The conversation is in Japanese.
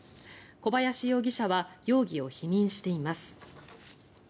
小林容疑者は容疑を否認しています。